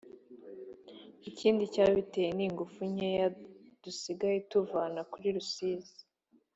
Ikindi cyabiteye ni ingufu nkeya dusigaye tuvana kuri Rusizi